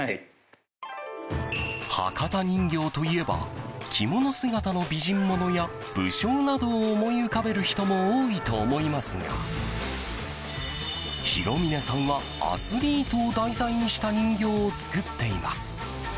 博多人形といえば着物姿の美人ものや武将などを思い浮かべる人も多いと思いますが弘峰さんはアスリートを題材にした人形を作っています。